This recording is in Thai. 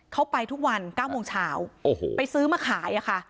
เขาไปทุกวันเก้าโมงเช้าโอ้โหไปซื้อมาขายอ่ะค่ะ